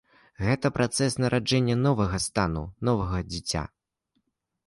Гэта працэс нараджэння новага стану, новага дзіця.